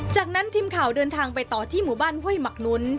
จากนั้นทีมข่าวเดินทางไปต่อที่หมู่บ้านห้วยหมักลุ้น